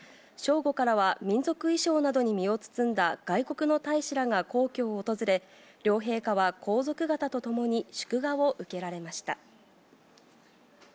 正午からは、民族衣装などに身を包んだ外国の大使らが皇居を訪れ、両陛下は皇族方と共に祝賀を受けられました。